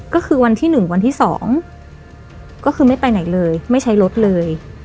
ก็คือวันที่๑วันที่๒ก็คือไม่ไปไหนเลยไม่ใช้รถเลย